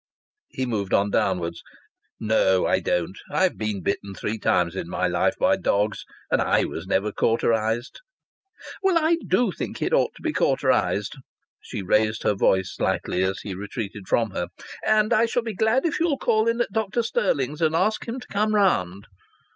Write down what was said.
He moved on downwards. "No, I don't. I've been bitten three times in my life by dogs. And I was never cauterized." "Well, I do think it ought to be cauterized." She raised her voice slightly as he retreated from her. "And I shall be glad if you'll call in at Dr. Stirling's and ask him to come round."